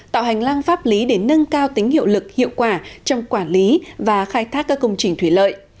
tạo hành lang pháp lý để nâng cao tính hiệu lực hiệu quả trong quản lý và khai thác các công trình thủy lợi